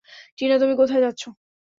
টিনা, তুমি কোথায় যাচ্ছ?